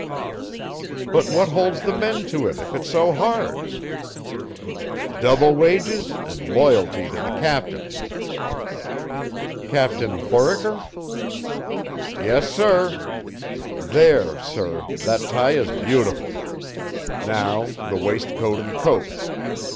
"But what holds the men to it if it's so hard?" "Double wages and loyalty to the captain." "Captain Foraker?" "Yes, sir. There, sir, that tie is beautiful. Now the waistcoat and coat.